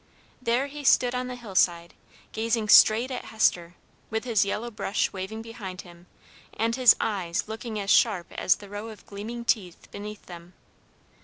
There he stood on the hillside, gazing straight at Hester, with his yellow brush waving behind him, and his eyes looking as sharp as the row of gleaming teeth beneath them.